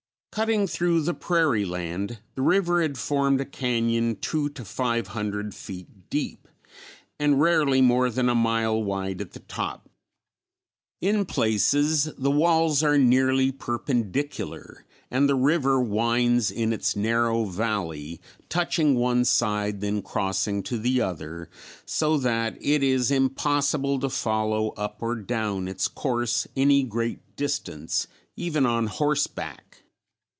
Cutting through the prairie land the river had formed a cañon two to five hundred feet deep and rarely more than a mile wide at the top. In places the walls are nearly perpendicular and the river winds in its narrow valley, touching one side then crossing to the other so that it is impossible to follow up or down its course any great distance even on horseback.